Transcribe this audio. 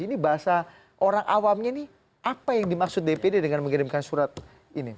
ini bahasa orang awamnya ini apa yang dimaksud dpd dengan mengirimkan surat ini